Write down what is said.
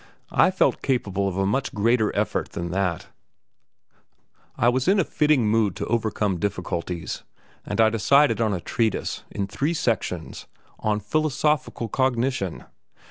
I felt capable of a much greater effort than that; I was in a fitting mood to overcome difficulties, and I decided on a treatise, in three sections, on "Philosophical Cognition."